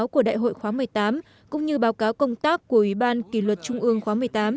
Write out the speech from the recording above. của đại hội khóa một mươi tám cũng như báo cáo công tác của ủy ban kỷ luật trung ương khóa một mươi tám